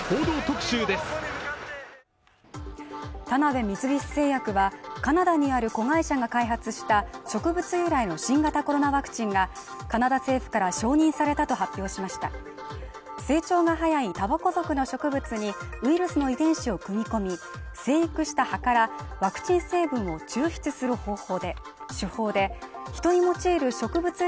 田辺三菱製薬はカナダにある子会社が開発した植物由来の新型コロナワクチンがカナダ政府から承認されたと発表しました成長が早いタバコ属の植物にウイルスの遺伝子を組み込み生育した葉からワクチン成分を抽出する方法で人に用いる植物